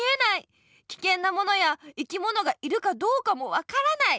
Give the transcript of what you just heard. きけんなものや生きものがいるかどうかもわからない。